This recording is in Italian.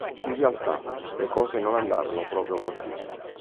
In realtà, le cose non andarono proprio così.